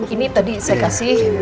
ini tadi saya kasih